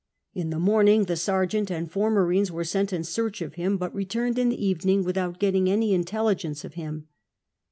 In the morning the sergeant and four m.arines were sent in search of him, but returned in the evening without getting any intelligence of him.